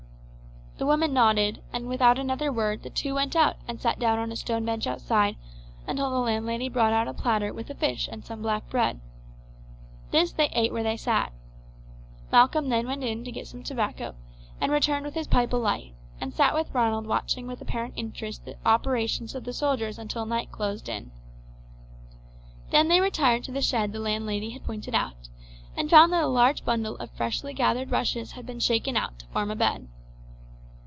The woman nodded, and without another word the two went out and sat down on a stone bench outside until the landlady brought out a platter with a fish and some black bread. This they ate where they sat. Malcolm then went in to get some tobacco, and returned with his pipe alight, and sat with Ronald watching with apparent interest the operations of the soldiers until night closed in. Then they retired to the shed the landlady had pointed out, and found that a large bundle of freshly gathered rushes had been shaken out to form a bed.